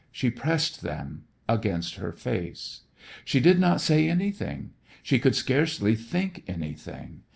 She pressed them against her face. She did not say anything. She could scarcely think anything.